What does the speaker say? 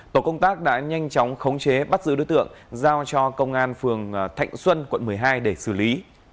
tổ công tác đã nhanh chóng khống chế bắt giữ đối tượng giao cho công an phường thạnh xuân quận một mươi hai để xử lý